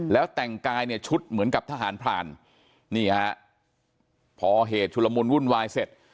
แล้วแต่งกายเนี่ยชุดเหมือนกับทหารพรานนี่ฮะพอเหตุชุลมุนวุ่นวายเสร็จ